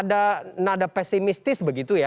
ada nada pesimistis begitu ya